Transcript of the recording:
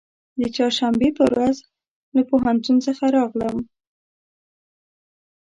د چهارشنبې په ورځ له پوهنتون څخه راغلم.